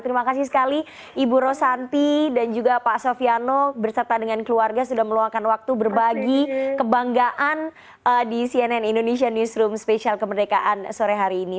terima kasih sekali ibu rosanti dan juga pak sofiano berserta dengan keluarga sudah meluangkan waktu berbagi kebanggaan di cnn indonesia newsroom spesial kemerdekaan sore hari ini